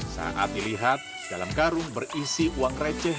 saat dilihat dalam karung berisi uang receh